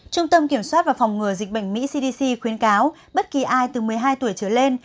trung tâm kiểm soát và phòng ngừa dịch bệnh mỹ cdc khuyến cáo bất kỳ ai từ một mươi hai tuổi trở lên